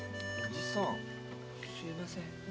すいません。